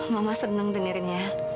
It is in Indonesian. mama seneng dengarnya